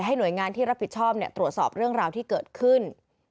หน่วยงานที่รับผิดชอบตรวจสอบเรื่องราวที่เกิดขึ้น